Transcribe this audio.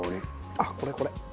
あっこれこれ！